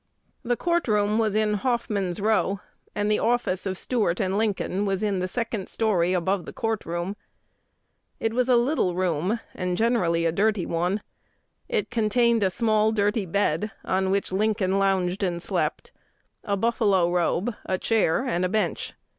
The courtroom was in Hoffman's Row; and the office of Stuart & Lincoln was in the second story above the court room. It was a "little room," and generally a "dirty one." It contained "a small dirty bed," on which Lincoln lounged and slept, a buffalo robe, a chair, and a bench.